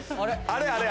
あれ？